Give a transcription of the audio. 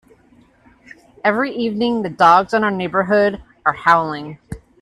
Every evening, the dogs in our neighbourhood are howling.